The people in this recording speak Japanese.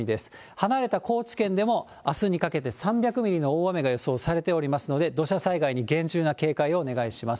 離れた高知県でもあすのかけて３００ミリの大雨が予想されておりますので、土砂災害に厳重な警戒をお願いします。